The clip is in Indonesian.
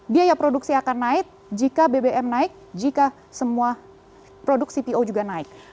biaya produksi akan naik jika bbm naik jika semua produk cpo juga naik